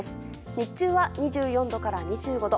日中は２４度から２５度。